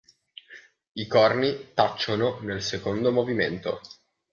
I corni tacciono nel secondo movimento.